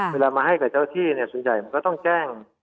เวลามาให้กับเจ้าที่เนี่ยส่วนใหญ่มันก็ต้องแจ้ง